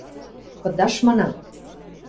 – Кыдаш, манам!